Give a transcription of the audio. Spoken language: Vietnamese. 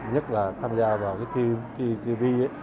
nhất là tham gia vào tv